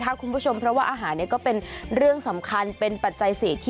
คัศคุณผู้ชมเพราะว่าอาหารเนี่ยก็เป็นเรื่องสำคัญเป็นปัจจัยเสียที่ขาดไม่ได้